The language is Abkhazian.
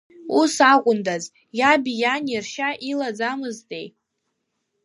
Ус акәындаз, иаби иани ршьа илаӡамызтеи.